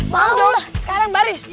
mau dong sekarang baris